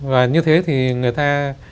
và như thế thì người ta